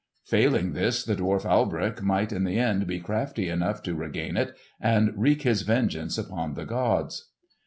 Failing this, the dwarf Alberich might in the end be crafty enough to regain it and wreak his vengeance upon the gods.